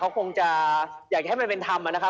เขาคงจะอยากให้มันเป็นธรรมนะครับ